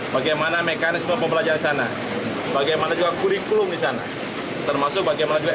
bagaimana mekanisme pembelajaran sana bagaimana juga kurikulum di sana termasuk bagaimana juga